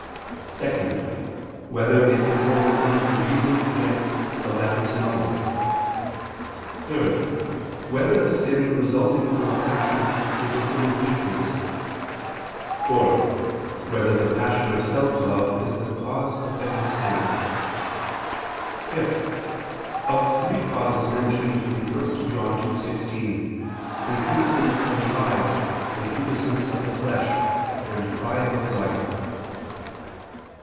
(2) Whether it can overcome the reason against the latter's knowledge? (3) Whether a sin resulting from a passion is a sin of weakness? (4) Whether the passion of self love is the cause of every sin? (5) Of three causes mentioned in 1 John 2:16: "Concupiscence of the eyes, Concupiscence of the flesh," and "Pride of life."